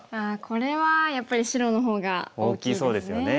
これはやっぱり白の方が大きいですね。